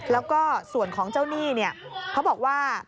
แล้วก็ส่วนของเจ้าหนี้เขาบอกว่า